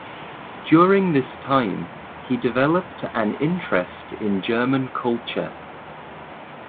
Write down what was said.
During this time he developed an interest in German culture.